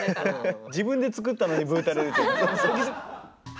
自分で作ったのにブーたれる。